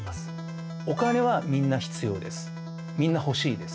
お金はみんな必要です。